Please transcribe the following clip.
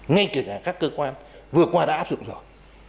ngay kể cả các cơ quan vừa qua đã áp dụng rồi